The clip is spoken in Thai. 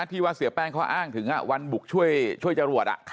ที่ว่าเสียแป้งเขาอ้างถึงวันบุกช่วยจรวด